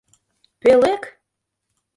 — Пӧлек!